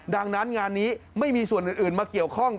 ดังนั้นงานนี้ไม่มีส่วนอื่นมาเกี่ยวข้อง